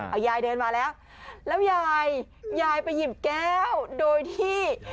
เอายายเดินมาแล้วแล้วยายยายไปหยิบแก้วโดยที่